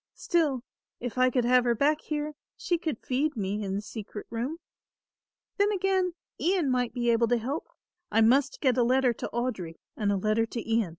Still if I could have her back here, she could feed me in the secret room. "Then again Ian might be able to help I must get a letter to Audry and a letter to Ian."